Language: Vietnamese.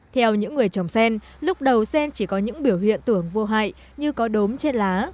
theo những người trồng sen lúc đầu sen chỉ có những biểu hiện tưởng vô hại như có đốm trên lá